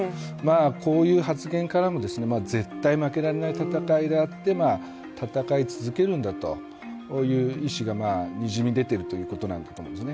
こういう発言からも、絶対に負けられない戦いであって戦い続けるんだという意思がにじみ出てるということなんだと思うんですね